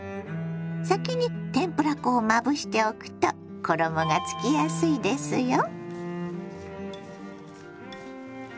先に天ぷら粉をまぶしておくと衣がつきやすいですよ。